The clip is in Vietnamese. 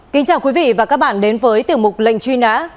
kính chào quý vị và các bạn đến với tiểu mục lệnh truy nã